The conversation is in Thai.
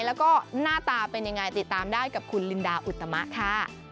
แล้วก็หน้าตาเป็นยังไงติดตามได้กับคุณลินดาอุตมะค่ะ